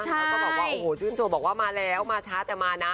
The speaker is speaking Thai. ก็บอกว่าโอ้โหชื่นโชบอกว่ามาแล้วมาช้าแต่มานะ